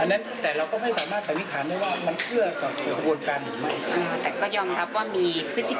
พิธีการลักษณะแบบนี้